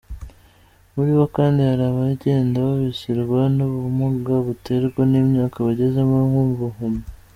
Muri bo kandi hari abagenda bibasirwa n’ubumuga buterwa n’imyaka bagezemo, nk’ubuhumyi.